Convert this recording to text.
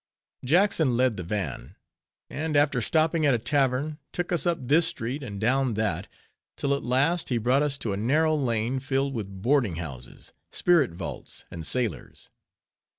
Jackson led the van; and after stopping at a tavern, took us up this street, and down that, till at last he brought us to a narrow lane, filled with boarding houses, spirit vaults, and sailors.